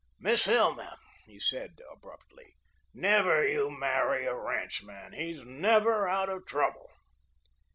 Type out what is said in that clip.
"Miss Hilma," he said abruptly, "never you marry a ranchman. He's never out of trouble."